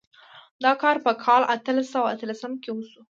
دا کار په کال اتلس سوه اتلسم کې وشو.